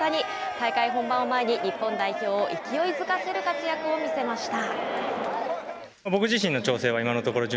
大会本番を前に日本代表を勢いづかせる活躍を見せました。